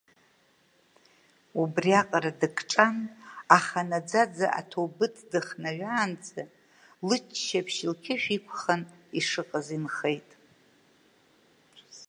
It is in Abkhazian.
Убриаҟара дыкҿан, аха наӡаӡа аҭоубыҭ дыхнаҩаанӡа лыччаԥшь лқьышә иқәхан ишыҟаз инхеит…